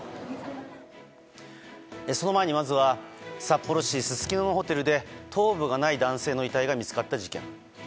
その前に、まずは札幌市すすきののホテルで頭部がない男性の遺体が見つかった事件。